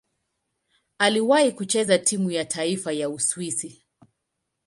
Aliwahi kucheza timu ya taifa ya Uswisi.